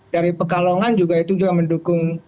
dari pekalongan juga itu juga mendukung prabowo gibran